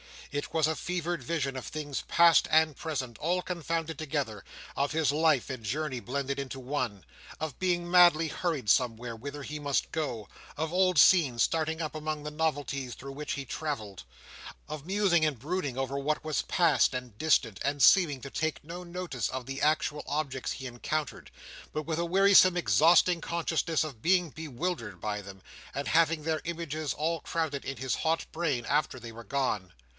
It was a fevered vision of things past and present all confounded together; of his life and journey blended into one. Of being madly hurried somewhere, whither he must go. Of old scenes starting up among the novelties through which he travelled. Of musing and brooding over what was past and distant, and seeming to take no notice of the actual objects he encountered, but with a wearisome exhausting consciousness of being bewildered by them, and having their images all crowded in his hot brain after they were gone.